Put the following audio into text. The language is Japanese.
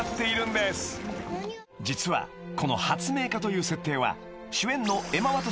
［実はこの発明家という設定は］